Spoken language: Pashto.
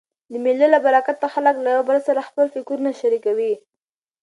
د مېلو له برکته خلک له یو بل سره خپل فکرونه شریکوي.